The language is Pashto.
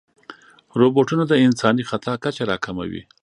روبوټونه د انساني خطا کچه راکموي.